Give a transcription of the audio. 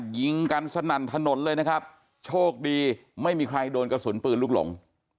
ยิงกันสนั่นถนนเลยนะครับโชคดีไม่มีใครโดนกระสุนปืนลูกหลง